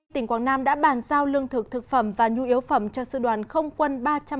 tỉnh quảng nam đã bàn giao lương thực thực phẩm và nhu yếu phẩm cho sư đoàn không quân ba trăm năm mươi